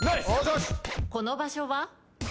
この場所は？